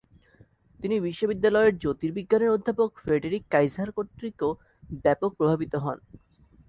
তিনি বিশ্ববিদ্যালয়ের জ্যোতির্বিজ্ঞানের অধ্যাপক ফ্রেডেরিক কাইসার কর্তৃক ব্যাপক প্রভাবিত হন।